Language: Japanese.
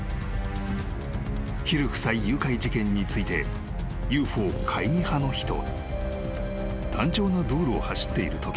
［ヒル夫妻誘拐事件についてＵＦＯ懐疑派の人は］